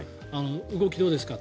動きどうですかって。